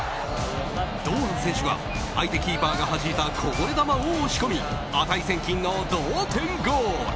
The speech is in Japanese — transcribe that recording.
堂安選手が相手キーパーが弾いたこぼれ球を押し込み値千金の同点ゴール！